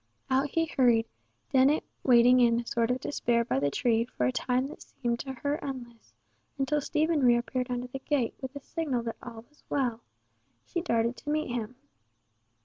Out he hurried, Dennet waiting in a sort of despair by the tree for a time that seemed to her endless, until Stephen reappeared under the gate, with a signal that all was well. She darted to meet him.